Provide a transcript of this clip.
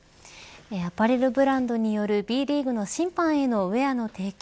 アパレルブランドによるＢリーグの審判へのウエアの提供